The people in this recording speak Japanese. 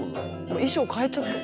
衣装替えちゃってる。